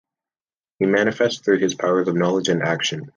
He manifests through his powers of knowledge and action.